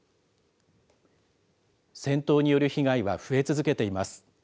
戦闘による被害は増え続けています。